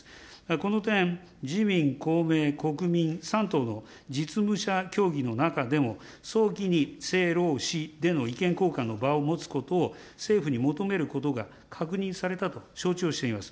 この点、自民、公明、国民３党の実務者協議の中でも早期に政労使での意見交換の場を持つことを政府に求めることが確認されたと承知をしています。